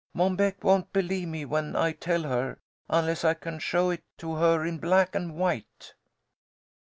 Mom Beck won't believe me when I tell her, unless I can show it to her in black and white."